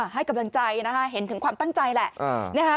ให้กำลังใจนะคะเห็นถึงความตั้งใจแหละ